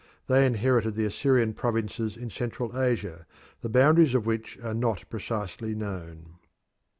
They inherited the Assyrian provinces in Central Asia, the boundaries of which are not precisely known.